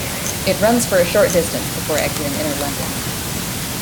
It runs for a short distance before exiting Inner London.